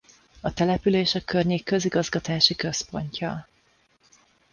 A település a környék közigazgatási központja.